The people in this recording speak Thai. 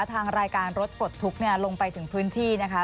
ทางรายการรถปลดทุกข์ลงไปถึงพื้นที่นะคะ